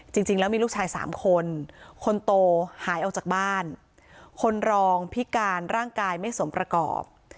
จริงแล้วมีลูกชายสามคนคนโตหายออกจากบ้านคนรองพิการร่างกายไม่สมประกอบ